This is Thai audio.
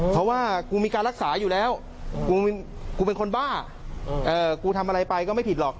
เพราะว่ากูมีการรักษาอยู่แล้วกูเป็นคนบ้ากูทำอะไรไปก็ไม่ผิดหรอก